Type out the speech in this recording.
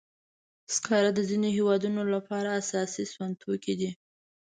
سکاره د ځینو هېوادونو لپاره اساسي سون توکي دي.